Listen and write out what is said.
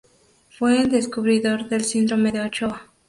Fue el descubridor del Síndrome de Ochoa.